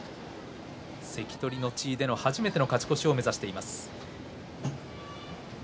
関取の地位での初めての勝ち越しを目指しています。